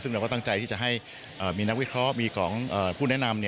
ซึ่งเราก็ตั้งใจที่จะให้มีนักวิเคราะห์มีของผู้แนะนำ